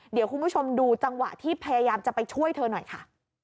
เดี๋ยวคุณผู้ชมดูจังหวะที่พยายามจะไปช่วยเธอหน่อยค่ะ